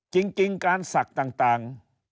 จริงการศักดิ์ต่าง